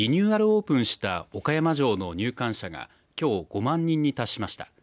オープンした岡山城の入館者がきょう、５万人に達しました。